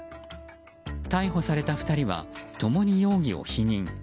逮捕された２人は共に容疑を否認。